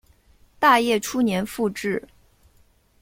大业初年复置。